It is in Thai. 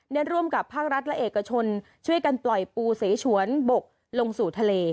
ร่วมกับภาครัฐและเอกชนช่วยกันปล่อยปูเสฉวนบกลงสู่ทะเล